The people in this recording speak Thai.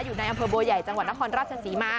อยู่ในอำเภอบัวใหญ่จังหวัดนครราชศรีมา